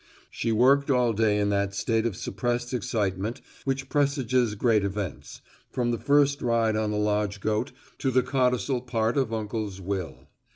She worked all day in that state of suppressed excitement which presages great events, from the first ride on the lodge goat to the codicil part of uncle's will.